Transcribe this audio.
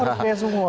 oh harus pria semua